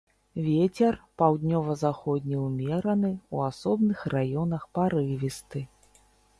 Вецер паўднёва-заходні ўмераны, у асобных раёнах парывісты.